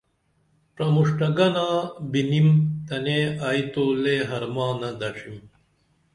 پرمُݜٹہ گنا بِنِم تنے ائی تو لے حرمانہ دڇِھم